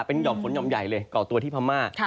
หย้่อมมีฝนหยอมใหญ่เลยก่อตัวที่พาม่า